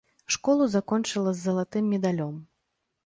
Школу закончыла з залатым медалём.